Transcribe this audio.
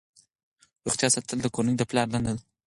روغتیا ساتل د کورنۍ د پلار دنده ده.